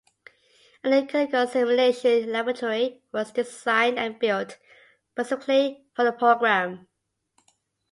A new clinical simulation laboratory was designed and built specifically for the program.